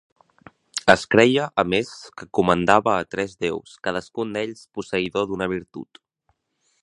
Es creia, a més, que comandava a tres déus, cadascun d'ells posseïdor d'una virtut.